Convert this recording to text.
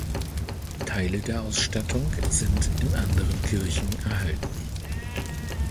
Teile der Ausstattung sind in anderen Kirchen erhalten.